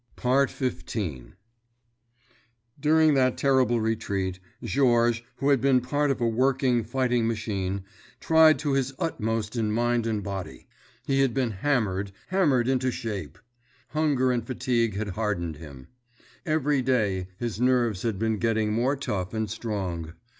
XV During that terrible retreat, Georges, had been a part of a working, fighting machine, tried to his utmost in mind and body. He had been hammered, hammered into shape. Hunger and fatigue had hardened him. Every day his nerves had been getting more tough and strong.